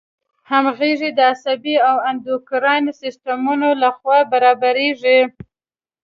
همغږي د عصبي او اندوکراین د سیستمونو له خوا برابریږي.